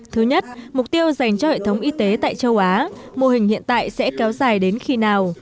thứ nhất mục tiêu dành cho hệ thống y tế tại châu á mô hình hiện tại sẽ kéo dài đến khi nào